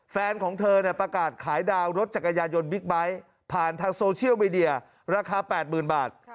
แฟนของเธอประกาศขายดาวรถจักรยานยนต์บิ๊กไบท์ผ่านทางโซเชียลมีเดียราคา๘๐๐๐บาท